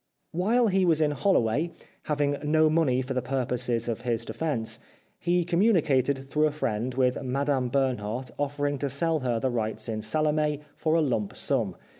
While he was in Holloway, having no money for the purposes of his defence, he communicated through a friend with Madame Bernhardt offer ing to sell her the rights in " Salome " for a lump 362 The Life of Oscar Wilde sum.